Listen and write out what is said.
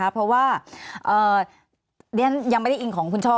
เพราะว่ายังไม่ได้อิงของทุนช่อ